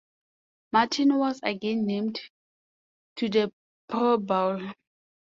Martin was again named to the Pro Bowl.